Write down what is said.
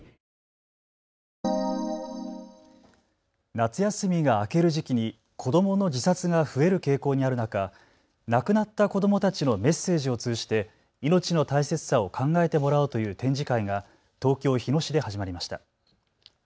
夏休みが明ける時期に子どもの自殺が増える傾向にある中、亡くなった子どもたちのメッセージを通じて命の大切さを考えてもらおうという展示会が東京日野市で始まりました。